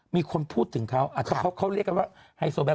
มีคนพูดถึงเขาอาจจะเขาเรียกกันว่าไฮโซแล